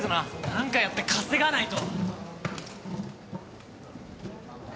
何かやって稼がないと。